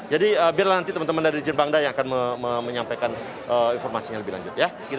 jadi biarlah nanti teman teman dari jenderal banda yang akan menyampaikan informasinya lebih lanjut ya